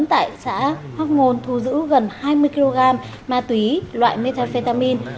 tại xã hoác ngôn thu giữ gần hai mươi kg ma túy loại methamphetamine